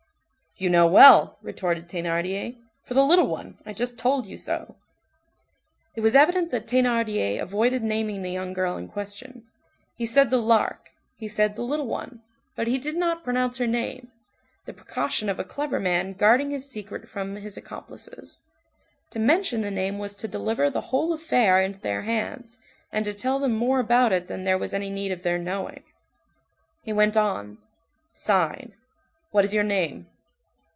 "You know well," retorted Thénardier, "for the little one I just told you so." It was evident that Thénardier avoided naming the young girl in question. He said "the Lark," he said "the little one," but he did not pronounce her name—the precaution of a clever man guarding his secret from his accomplices. To mention the name was to deliver the whole "affair" into their hands, and to tell them more about it than there was any need of their knowing. He went on:— "Sign. What is your name?"